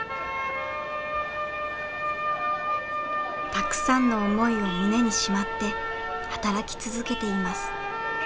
たくさんの思いを胸にしまって働き続けています。